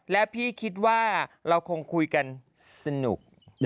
และพี่คิดว่าเราคงคุยกันสนุก